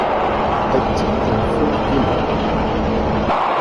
Attan tenfult-inu.